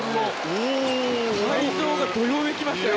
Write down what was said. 会場がどよめきましたよ。